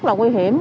rất là nguy hiểm